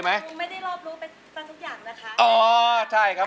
คุณไม่ได้รอบรู้ไปทุกอย่างนะคะ